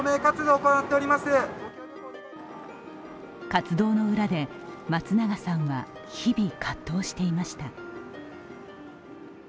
活動の裏で松永さんは日々葛藤していました。